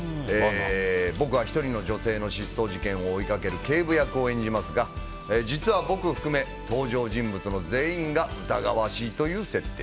僕は１人の女性の失踪事件を追いかける警部役を演じますが実は僕含め登場人物の全員が疑わしいという設定。